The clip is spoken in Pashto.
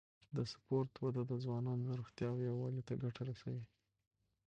د سپورت وده د ځوانانو روغتیا او یووالي ته ګټه رسوي.